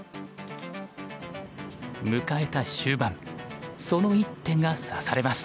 迎えた終盤その一手が指されます。